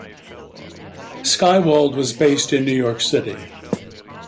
Skywald was based in New York City.